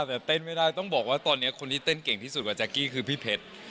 แต่เต้นไม่ได้ต้องบอกว่าตอนนี้คนที่เต้นเก่งที่สุดกว่าแก๊กกี้คือพี่เพชร